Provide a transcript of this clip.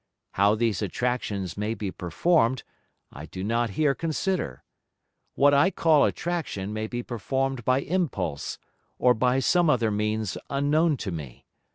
How these Attractions may be perform'd, I do not here consider. What I call Attraction may be perform'd by impulse, or by some other means unknown to me.